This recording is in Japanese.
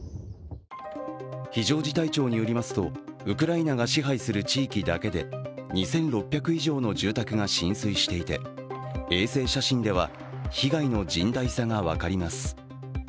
非常事態庁によりますとウクライナが支配する地域だけで２６００以上の住宅が浸水していて、衛星写真では被害の甚大さが分かります。